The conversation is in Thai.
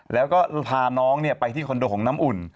แล้วก็พาน้องไปที่คอนโดของน้ำอุ่น